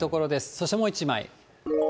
そしてもう一枚。